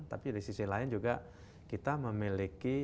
tapi di sisi lain juga kita memiliki